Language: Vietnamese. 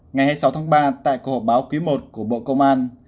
ngày hai mươi sáu tháng ba tại cuộc họp báo quý i của bộ công an